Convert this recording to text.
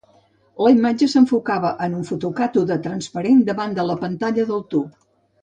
La imatge s'enfocava en un fotocàtode transparent davant de la pantalla del tub.